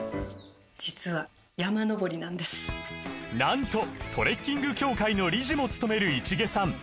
実はなんとトレッキング協会の理事もつとめる市毛さん